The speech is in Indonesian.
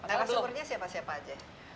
alas sumbernya siapa siapa aja